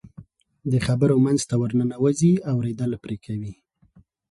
د خبرو منځ ته ورننوځي، اورېدل پرې کوي.